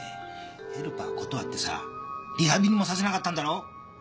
ヘルパー断ってさリハビリもさせなかったんだろ？